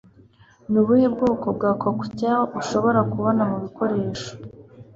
Nubuhe bwoko bwa Cocktail Ushobora Kubona Mubikoresho